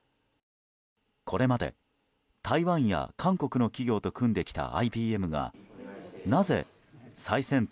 これまで、台湾や韓国の企業と組んできたＩＢＭがなぜ、最先端